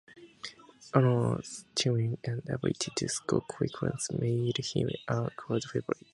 Anwar's timing and ability to score quick runs made him a crowd favourite.